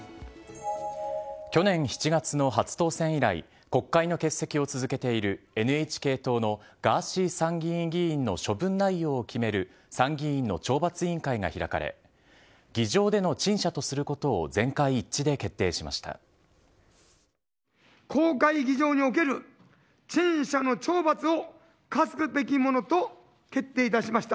去年７月の初当選以来、国会の欠席を続けているＮＨＫ党のガーシー参議院議員の処分内容を決める、参議院の懲罰委員会が開かれ、議場での陳謝とすることを全会一致で決定しました。